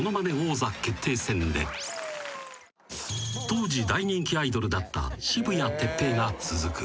［当時大人気アイドルだった渋谷哲平が続く］